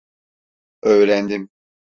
Öğrendim.